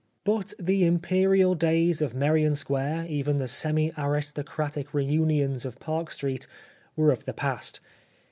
But the imperial days of Merrion Square, even the semi aristocratic reunions of Park Street, were of the past.